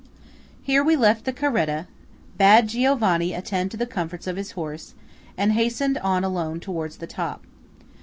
Here we left the caretta, bade Giovanni attend to the comforts of his horse, and hastened on alone towards the top.